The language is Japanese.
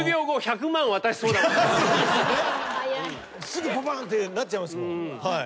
すぐぽぽんってなっちゃいますもん。